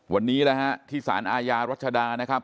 วันนี้นะฮะที่สารอาญารัชดานะครับ